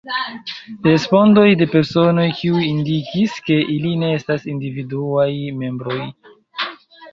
Respondoj de personoj, kiuj indikis, ke ili ne estas individuaj membroj.